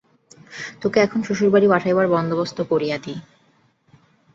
তোকে এখন শ্বশুরবাড়ি পাঠাইবার বন্দোবস্ত করিয়া দিই।